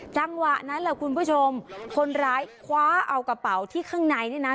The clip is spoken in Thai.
จังหวะนั้นแหละคุณผู้ชมคนร้ายคว้าเอากระเป๋าที่ข้างในนี่นะ